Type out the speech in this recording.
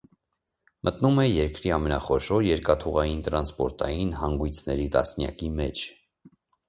Մտնում է երկրի ամենախոշոր երկաթուղային տրանսպորտային հանգույցների տասնյակի մեջ։